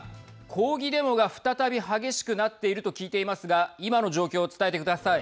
抗議デモが再び激しくなっていると聞いていますが今の状況を伝えてください。